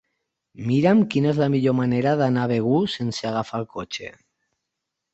Mira'm quina és la millor manera d'anar a Begur sense agafar el cotxe.